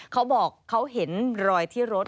เขาบอกเขาเห็นรอยที่รถ